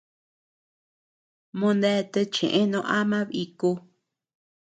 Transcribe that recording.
Moneatea cheʼë no ama bíku.